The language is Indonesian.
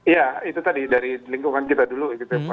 ya itu tadi dari lingkungan kita dulu